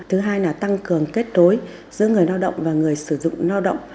thứ hai là tăng cường kết nối giữa người lao động và người sử dụng lao động